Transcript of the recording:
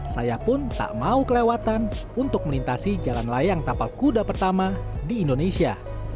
saya pun tak mau kelewatan untuk melintasi jalan layang tapal kuda pertama di indonesia